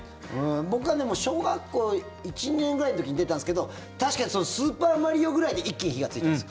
僕が、でも小学校１、２年ぐらいの時に出たんですけど「スーパーマリオ」ぐらいで一気に火がついたんです。